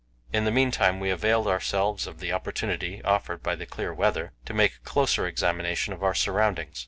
In the meantime we availed ourselves of the opportunity offered by the clear weather to make a closer examination of our surroundings.